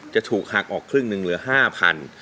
จะถูกหักออกครึ่งหนึ่งเหลือ๕๐๐บาท